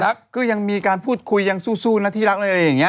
ถูกไหมเรายังมีการพูดคุยสู้นะที่รักอะไรอย่างนี้